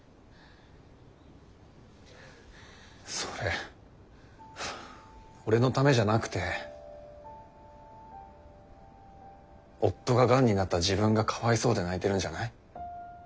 それ俺のためじゃなくて夫ががんになった自分がかわいそうで泣いてるんじゃない？